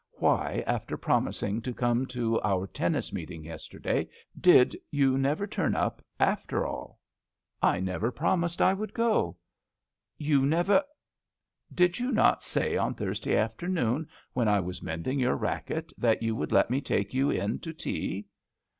Why, after promising to come to our tennis meeting yesterday, did you never turn up after all ?"" I never promised I would go." *' You never Did you not say on Thursday afternoon, when I was mending your racket, that you would let me take you in to tea?"